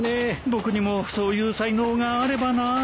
僕にもそういう才能があればなぁ。